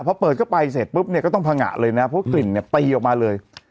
พอเปิดเข้าไปเสร็จปุ๊บเนี่ยก็ต้องพังงะเลยนะเพราะกลิ่นเนี่ยตีออกมาเลย